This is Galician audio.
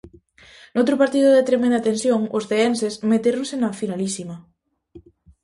Noutro partido de tremenda tensión, os ceenses metéronse na finalísima.